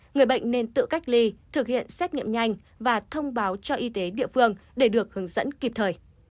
người bệnh nên tự cách ly thực hiện xét nghiệm nhanh và thông báo cho y tế địa phương để được hướng dẫn kịp thời